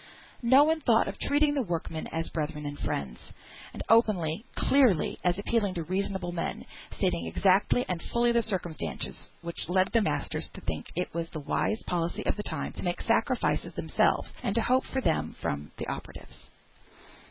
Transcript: No one thought of treating the workmen as brethren and friends, and openly, clearly, as appealing to reasonable men, stating the exact and full circumstances which led the masters to think it was the wise policy of the time to make sacrifices themselves, and to hope for them from the operatives.